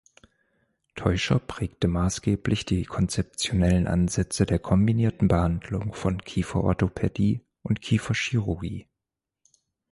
Teuscher prägte maßgeblich die konzeptionellen Ansätze der kombinierten Behandlung von Kieferorthopädie und Kieferchirurgie.